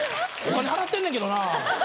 お金払ってんねんけどな。